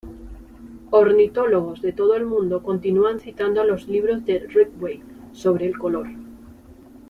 Ornitólogos de todo el mundo continúan citando los libros de Ridgway sobre el color.